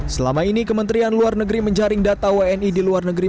selama ini kementerian luar negeri menjaring data wni di luar negeri